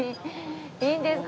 いいんですか？